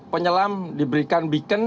penyelam diberikan beacon